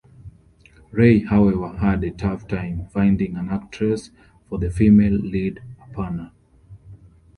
Ray however had a tough time finding an actress for the female lead Aparna.